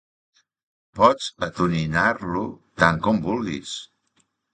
Pots atonyinar-lo tant com vulguis.